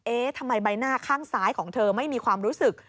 ทำไมใบหน้าข้างซ้ายของเธอไม่มีความรู้สึก